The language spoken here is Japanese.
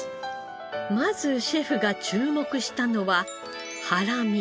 まずシェフが注目したのは腹身。